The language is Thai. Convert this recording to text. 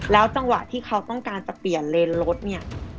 จังหวะที่เขาต้องการจะเปลี่ยนเลนรถเนี่ย